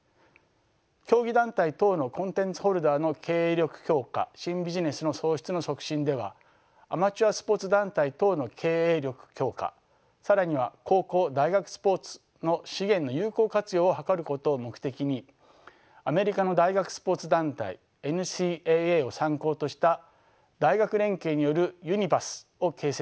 競技団体等のコンテンツホルダーの経営力強化新ビジネスの創出の促進ではアマチュアスポーツ団体等の経営力強化更には高校大学スポーツの資源の有効活用を図ることを目的にアメリカの大学スポーツ団体ＮＣＡＡを参考とした大学連携によるＵＮＩＶＡＳを形成しました。